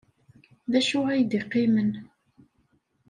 D acu ay d-yeqqimen?